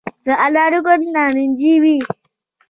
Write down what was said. د انارو ګل نارنجي وي؟